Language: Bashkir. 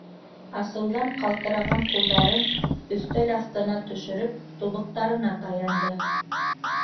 Асыуҙан ҡалтыраған ҡулдарын өҫтәл аҫтына төшөрөп, тубыҡтарына таянды.